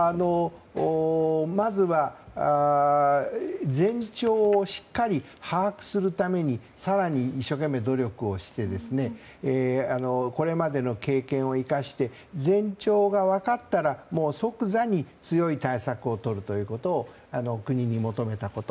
まずは前兆をしっかり把握するために更に、一生懸命努力をしてこれまでの経験を生かして前兆が分かったら即座に強い対策をとるということを国に求めたこと。